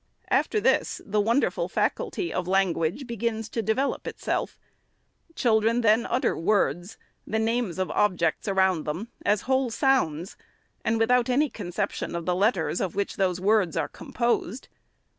After this, the won derful faculty of language begins to develop itself. Chil dren then utter words, — the names of objects around them, — as whole sounds, and without any conception of the letters of which those words are composed.